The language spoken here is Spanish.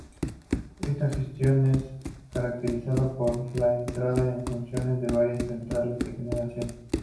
Esta gestión es caracterizada por la entrada en funcionamiento de varias centrales de generación.